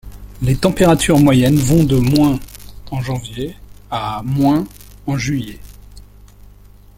Les températures moyennes vont de - en janvier, à - en juillet.